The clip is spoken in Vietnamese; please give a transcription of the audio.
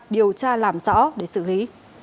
điều tra làm rõ để xử lý